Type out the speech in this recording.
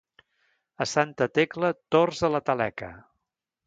A Santa Tecla, tords a la taleca.